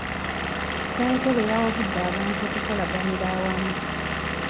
Ssentebe yawabudde abantu okukolaganira awamu.